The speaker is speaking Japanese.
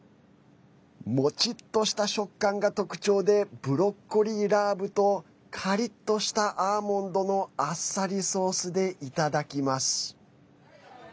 もちっとした食感が特徴でブロッコリーラーブとカリッとしたアーモンドのあっさりソースでいただきます。